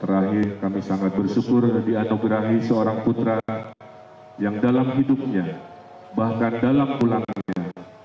terakhir kami sangat bersyukur dianugerahi seorang putra yang dalam hidupnya bahkan dalam pulangannya